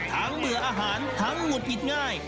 ทั้งเบื่ออาหารทั้งหงุดผิดง่าย